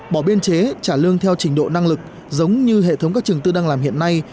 bỏ biên chế trả lương theo trình độ năng lực giống như hệ thống các trường tư đang làm hiện nay